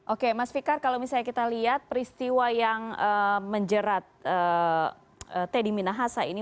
oke mas fikar kalau misalnya kita lihat peristiwa yang menjerat teddy minahasa ini